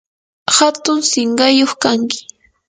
hatun sinqayuq kanki.